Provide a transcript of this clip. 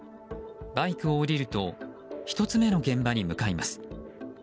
バイクを降りると１つ目の現場に向かいます。